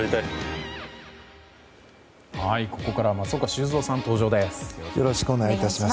ここからは松岡修造さん、登場です。